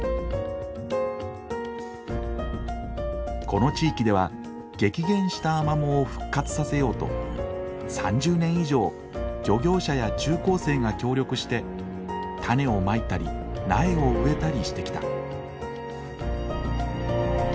この地域では激減したアマモを復活させようと３０年以上漁業者や中高生が協力して種をまいたり苗を植えたりしてきた。